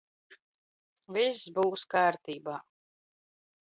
Viss b?s k?rt?b?.